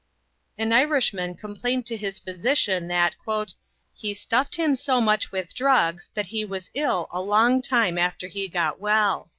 An Irishman complained to his physician that "he stuffed him so much with drugs that he was ill a long time after he got well."